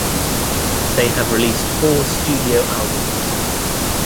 They have released four studio albums.